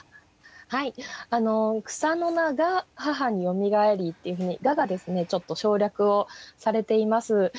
はい「草の名が母に蘇り」っていうふうに「が」がちょっと省略をされています。